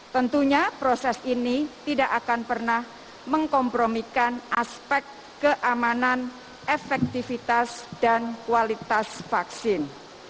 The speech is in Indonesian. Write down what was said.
tentunya proses ini tidak akan pernah mengkompromikan aspek keamanan efektivitas dan kualitas vaksin